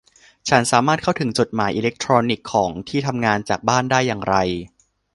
ฉันสามารถเข้าถึงจดหมายอิเล็กทรอนิกส์ของที่ทำงานจากบ้านได้อย่างไร